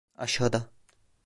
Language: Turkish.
Aşağıda.